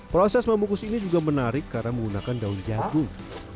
proses membungkus ini juga menarik karena menggunakan daun jagung